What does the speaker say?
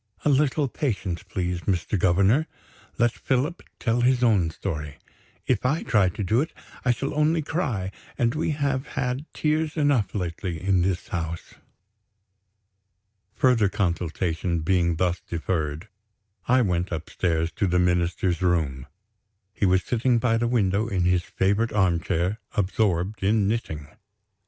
"A little patience, please, Mr. Governor; let Philip tell his own story. If I try to do it, I shall only cry and we have had tears enough lately, in this house." Further consultation being thus deferred, I went upstairs to the Minister's room. He was sitting by the window, in his favorite armchair, absorbed in knitting!